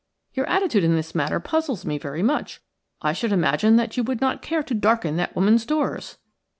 Your attitude in this matter puzzles me very much. I should imagine that you would not care to darken that woman's doors."